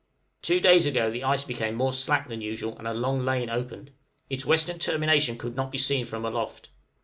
Two days ago the ice became more slack than usual, and a long lane opened; its western termination could not be seen from aloft.